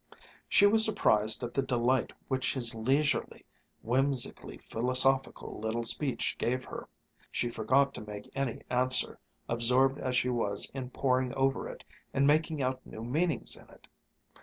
She was surprised at the delight which his leisurely, whimsically philosophical little speech gave her. She forgot to make any answer, absorbed as she was in poring over it and making out new meanings in it.